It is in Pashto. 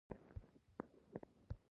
د علم او پوهې داستان.